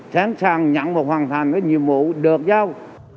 sẵn sàng nhận hoàn thành nhiệm vụ đợt giao